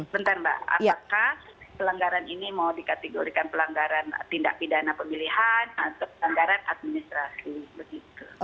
bentar mbak apakah pelanggaran ini mau dikategorikan pelanggaran tindak pidana pemilihan atau pelanggaran administrasi begitu